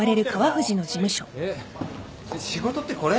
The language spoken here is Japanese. えっ仕事ってこれ？